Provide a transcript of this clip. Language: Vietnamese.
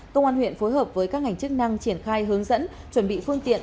công an huyện phối hợp với các ngành chức năng triển khai hướng dẫn chuẩn bị phương tiện